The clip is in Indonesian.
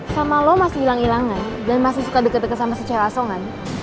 sama lo masih hilang hilangan dan masih suka deket deket sama si celaso kan